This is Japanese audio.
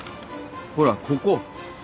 ほらここ。